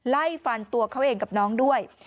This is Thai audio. ไล่ฟันตัวเขาเองกับน้องด้วย